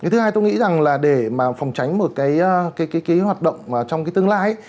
thứ hai tôi nghĩ rằng là để mà phòng tránh một cái hoạt động trong cái tương lai